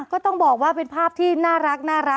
ก็ต้องบอกว่าเป็นภาพที่น่ารัก